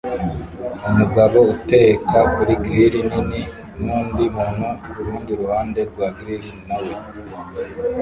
Umugabo uteka kuri grill nini nundi muntu kurundi ruhande rwa grill nawe